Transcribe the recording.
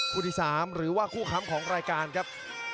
ที่๓หรือว่าคู่ค้ำของรายการครับ